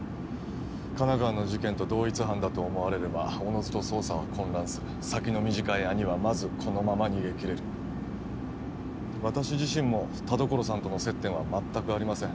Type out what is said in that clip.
神奈川の事件と同一犯だと思われればおのずと捜査は混乱する先の短い兄はまずこのまま逃げ切れる私自身も田所さんとの接点はまったくありません